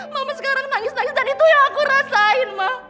mama sekarang nangis nangis dan itu yang aku rasain ma